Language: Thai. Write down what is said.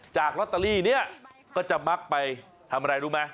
จากลอตเตอรี่เนี่ยก็จะมักไปทำอะไรรู้ไหม